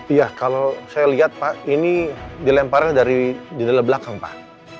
iya kalau saya lihat pak ini dilemparnya dari di dalam belakang pak